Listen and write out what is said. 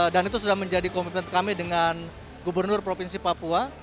dan itu sudah menjadi komitmen kami dengan gubernur provinsi papua